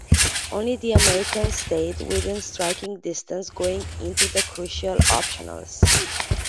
Only the Americans stayed within striking distance going into the crucial Optionals.